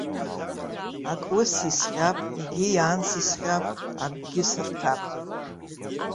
Ак ус исҟьап, егьи анс исҟьап, акгьы сырҭәап.